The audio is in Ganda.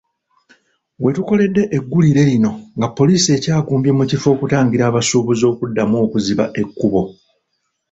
We tukoledde eggulire lino nga poliisi ekyagumbye mu kifo okutangira abasuubuzi okuddamu okuziba ekkubo.